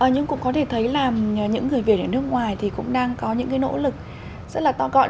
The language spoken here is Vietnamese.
nhưng cũng có thể thấy là những người việt ở nước ngoài thì cũng đang có những cái nỗ lực rất là to gọn